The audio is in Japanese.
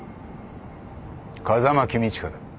風間公親だ。